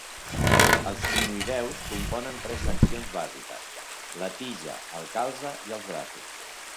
Els crinoïdeus comprenen tres seccions bàsiques: la tija, el calze, i els braços.